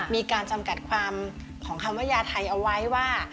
มีการจำกัดความของคำว่ายาไทยเอาไว้ว่า